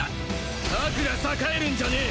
悪が栄えるんじゃねェ！